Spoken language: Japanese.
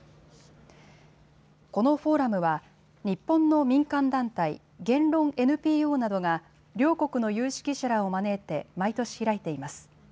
このフォーラムは日本の民間団体、言論ＮＰＯなどが両国の有識者らを招いて毎年、開いています。